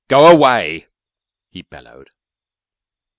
"Go away!" he bellowed.